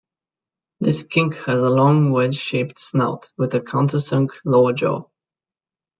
This skink has a long, wedge-shaped snout with a countersunk lower jaw.